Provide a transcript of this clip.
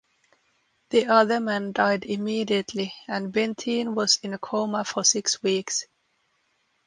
The other man died immediately, and Bentine was in a coma for six weeks.